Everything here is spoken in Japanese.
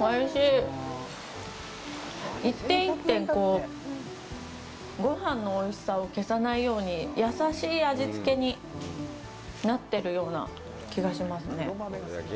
おいしい一点一点ごはんのおいしさを消さないように優しい味付けになってるような気がしますね